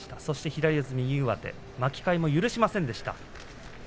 左四つ右上手巻き替えも許しませんでした。